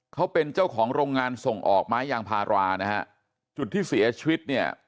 เขาเป็นเจ้าของโรงงานส่งออกไม้ยางพารานะฮะจุดที่เสียชีวิตเนี่ย